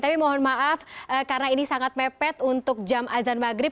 tapi mohon maaf karena ini sangat mepet untuk jam azan maghrib